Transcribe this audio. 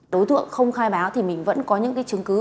đối tượng không khai báo thì mình vẫn có những chứng cứ